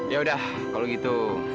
ya udah kalau gitu